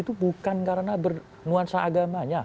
itu bukan karena bernuansa agamanya